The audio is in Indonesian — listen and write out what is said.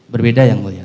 berbeda yang mulia